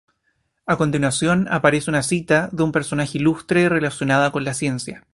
A continuación aparece una cita de un personaje ilustre relacionada con la ciencia.